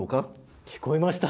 聞こえました。